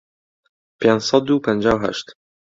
پێنج سەد و پەنجا و هەشت